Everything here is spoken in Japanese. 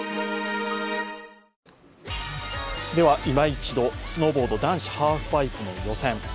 いま一度、スノーボード男子ハーフパイプの予選。